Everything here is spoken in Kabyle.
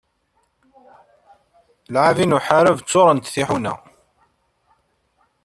Lɛabi n uḥaṛeb ccuṛent tiḥuna.